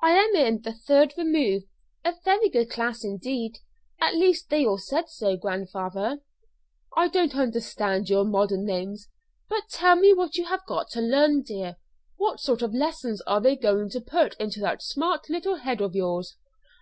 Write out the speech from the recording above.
"I am in the third remove; a very good class indeed at least they all said so, grandfather." "I don't understand your modern names; but tell me what you have got to learn, dear. What sort of lessons are they going to put into that smart little head of yours?"